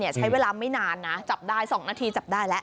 ใช้เวลาไม่นานนะจับได้๒นาทีจับได้แล้ว